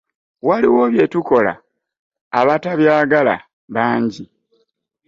Waliwo bye tukola abatabyagala bangi.